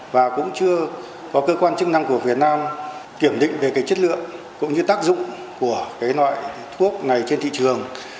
và cũng chưa có cơ quan chức năng của việt nam kiểm định về cái chất lượng cũng như tác dụng của cái loại thuốc này trên thị trường